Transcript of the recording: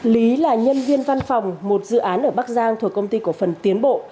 lý là nhân viên văn phòng một dự án ở bắc giang thuộc công ty cổ phần tiến bộ